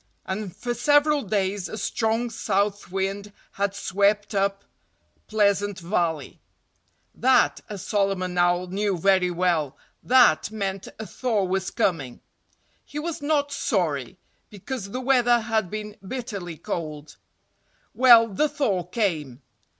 And for several days a strong south wind had swept up Pleasant Valley. That—as Solomon Owl knew very well—that meant a thaw was coming. He was not sorry, because the weather had been bitterly cold. Well, the thaw came.